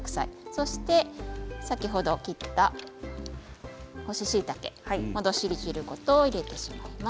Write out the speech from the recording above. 先ほど切った干ししいたけ戻し汁ごと入れてしまいます。